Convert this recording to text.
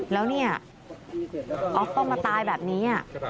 แล้วเนี่ยออฟต้องมาตายแบบนี้